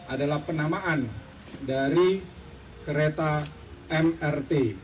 adalah penamaan dari kereta mrt